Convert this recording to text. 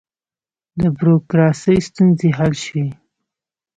د بروکراسۍ ستونزې حل شوې؟